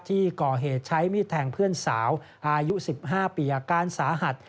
ที่ก่อเหตุใช้มีดแทงเพื่อนสาวอายุ๑๕ปีอาการสาหัส